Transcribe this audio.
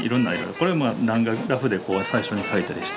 これまあラフで最初に描いたりして。